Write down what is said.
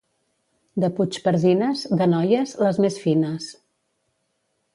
De Puigpardines, de noies, les més fines.